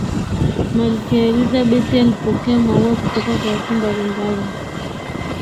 malkia elizabeth alipokea maua kutoka kwa watu mbalimbali